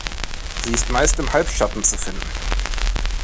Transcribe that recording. Sie ist meist im Halbschatten zu finden.